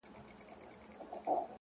فکرونه د راتلونکو ورځو معماران دي،